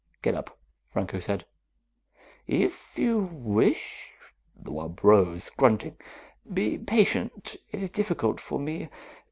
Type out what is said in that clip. "Get up," Franco said. "If you wish." The wub rose, grunting. "Be patient. It is difficult for me."